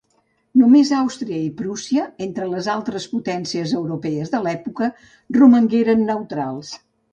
Només Àustria i Prússia, entre les altres potències europees de l'època, romangueren neutrals.